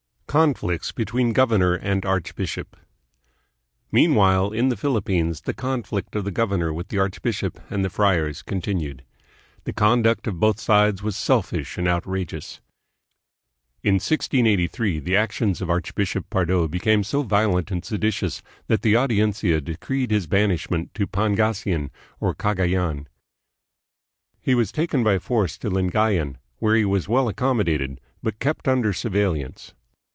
Conflicts between Governor and Archbishop. Mean while, in the Philippines the conflict of the governor with the archbishop and the friars continued. The conduct of both sides was selfish and outrageous. In 1683 the actions of Archbishop Pardo became so violent and sedi tious that the Audiencia decreed his banishment to Pan gasinan or Cagayan. He was taken by force to Lingayan, where he was well accommodated but kept under surveil lance.